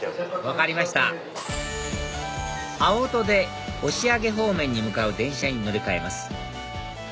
分かりました青砥で押上方面に向かう電車に乗り換えます